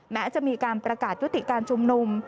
แม้จะมีการประกาศยุติการชุมนุม